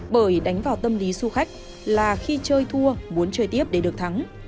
bởi đánh vào tâm lý du khách là khi chơi thua muốn chơi tiếp để được thắng